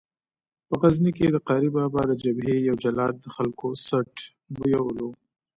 په غزني کې د قاري بابا د جبهې یو جلاد د خلکو څټ بویولو.